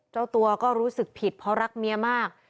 เจ้าตัวก็รู้สึกผิดเพราะรักเมียมาก